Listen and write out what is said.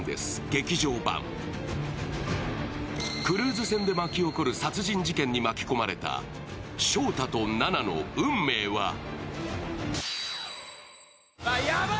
クルーズ船で巻き起こる殺人事件に巻き込まれた翔太と菜奈の運命は？